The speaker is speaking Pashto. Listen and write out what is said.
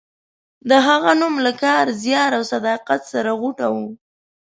د هغه نوم له کار، زیار او صداقت سره غوټه و.